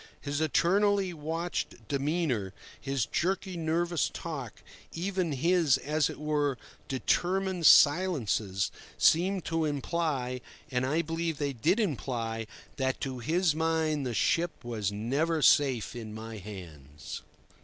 His eternally watchful demeanour, his jerky, nervous talk, even his, as it were, determined silences, seemed to imply—and, I believe, they did imply—that to his mind the ship was never safe in my hands.